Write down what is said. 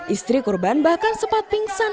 istri korban bahkan sempat pingsan